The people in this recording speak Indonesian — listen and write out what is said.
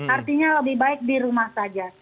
artinya lebih baik di rumah saja